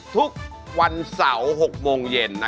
ทุกวันเสาร์๖โมงเย็น